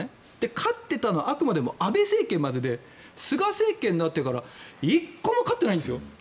勝っていたのはあくまで安倍政権までで菅政権になってから１個も勝ってないんですよ。